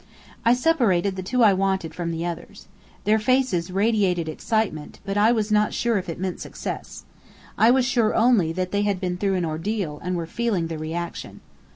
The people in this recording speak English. I separated the two I wanted from the others. Their faces radiated excitement, but I was not sure if it meant success. I was sure only that they had been through an ordeal and were feeling the reaction.